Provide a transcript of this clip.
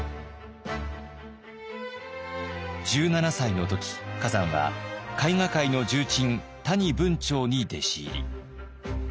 １７歳の時崋山は絵画界の重鎮谷文晁に弟子入り。